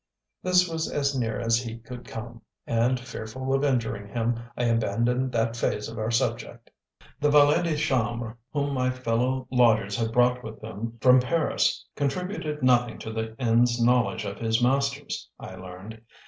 This was as near as he could come, and, fearful of injuring him, I abandoned that phase of our subject. The valet de chambre whom my fellow lodgers had brought with them from Paris contributed nothing to the inn's knowledge of his masters, I learned.